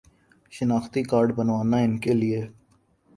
شناختی کارڈ بنوانا ان کے لیے